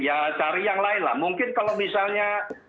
ya cari yang lain lah mungkin kalau misalnya